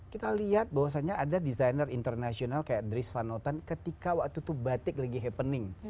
kita lihat bahwasannya ada desainer internasional kayak dris vano tan ketika waktu itu batik lagi happening